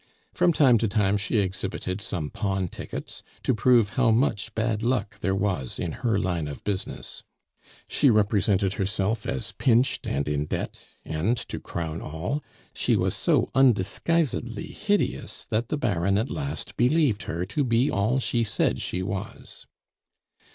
From time to time she exhibited some pawn tickets, to prove how much bad luck there was in her line of business. She represented herself as pinched and in debt, and to crown all, she was so undisguisedly hideous that the Baron at last believed her to be all she said she was.